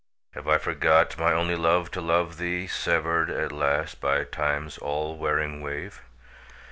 Have I forgot, my only love, to love thee, Severed at last by Time's all wearing wave?